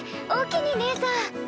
おおきにねえさん！